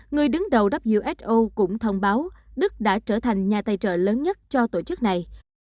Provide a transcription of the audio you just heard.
người đứng đầu wi cũng thông báo đức đã trở thành nhà tài trợ lớn nhất cho tổ chức này